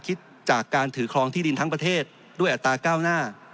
คิดจากการถือครองที่ดินทั้งประเทศด้วยอัตราก้าวหน้า